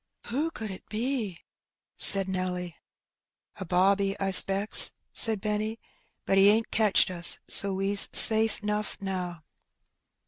'' Who could it be ?'' said Nelly. " A bobby, I ^specks,^^ said Benny ;" but he ain^t catched us, so we's safe *nough now."